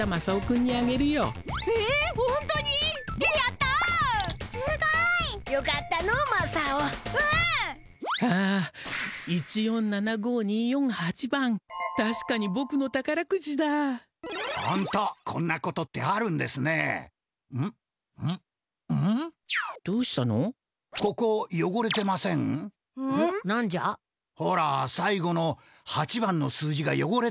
ほらさいごの８番の数字がよごれてますよ。